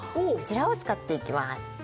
こちらを使っていきます。